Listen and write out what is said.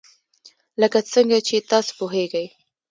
لکه څنګه چې تاسو پوهیږئ.